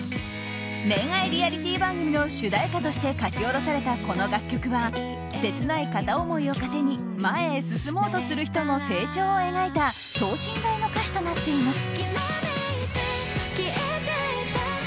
恋愛リアリティー番組の主題歌として書き下ろされた、この楽曲は切ない片思いを糧に前へ進もうとする人の成長を描いた等身大の歌詞となっています。